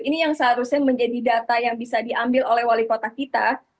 ini yang seharusnya menjadi data yang bisa diambil oleh wali kota kita